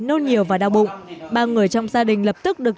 nâu nhiều và đau bụng ba người trong gia đình lập tức được